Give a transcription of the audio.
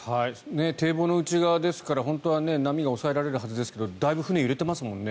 堤防の内側ですから本当は波が抑えられるはずですがだいぶ揺れていますもんね。